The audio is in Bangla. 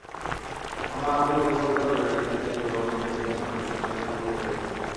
আমরা আমাদের কৌশলটা ধরে রাখতে চাই যেভাবে খেলে সাম্প্রতিককালে সাফল্য পেয়েছি।